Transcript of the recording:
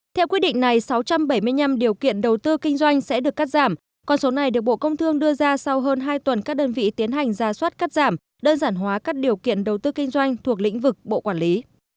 theo quy định này sáu trăm bảy mươi năm điều kiện đầu tư kinh doanh sẽ được cắt giảm còn số này được bộ công thương đưa ra sau hơn hai tuần các đơn vị tiến hành ra soát cắt giảm đơn giản hóa các điều kiện đầu tư kinh doanh thuộc lĩnh vực bộ quản lý